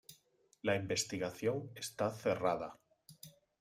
La investigación está cerrada".